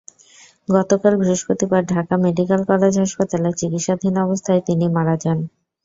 গতকাল বৃহস্পতিবার Dhaka medical college হাসপাতালে চিকিৎসাধীন অবস্থায় তিনি মারা যান।